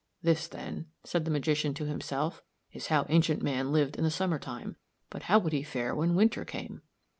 "This, then," said the magician to himself, "_is how ancient man lived in the summer time, but how would he fare when winter came?